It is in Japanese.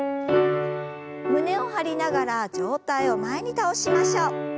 胸を張りながら上体を前に倒しましょう。